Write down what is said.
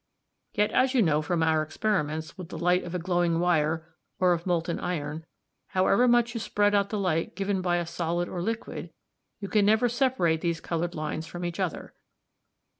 Yet, as you know from our experiments with the light of a glowing wire or of molten iron, however much you spread out the light given by a solid or liquid, you can never separate these coloured lines from each other.